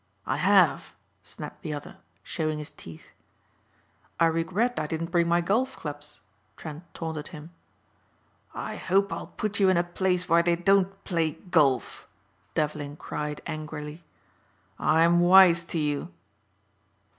"I have," snapped the other, showing his teeth. "I regret I didn't bring my golf clubs," Trent taunted him. "I hope I'll put you in a place where they don't play golf," Devlin cried angrily. "I'm wise to you."